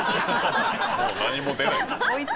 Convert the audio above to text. もう何も出ない。